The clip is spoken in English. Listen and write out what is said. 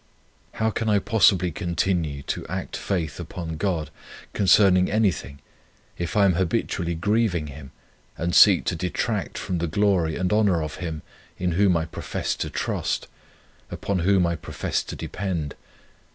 How can I possibly continue to act faith upon God, concerning anything, if I am habitually grieving Him, and seek to detract from the glory and honour of Him in whom I profess to trust, upon whom I profess to depend?